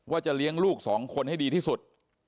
จะเลี้ยงลูกสองคนให้ดีที่สุด